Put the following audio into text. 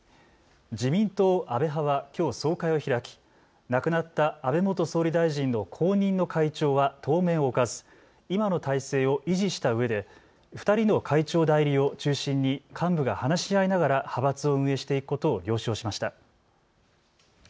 自民党安倍派はきょう総会を開き亡くなった安倍元総理大臣の後任の会長は当面、置かず今の体制を維持したうえで２人の会長代理を中心に幹部が話し合いながら派閥を運営していくことを了承しました。